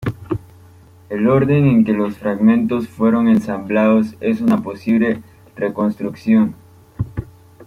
El orden en que los fragmentos fueron ensamblados es una posible reconstrucción.